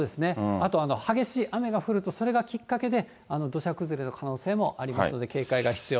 あと、激しい雨が降ると、それがきっかけで、土砂崩れの可能性もありますので警戒が必要。